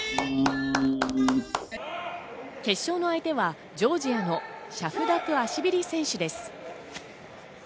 決勝の相手はジョージアのシャフダトゥアシビリ選手です。